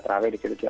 terawih di situ juga